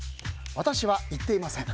私は行っていません。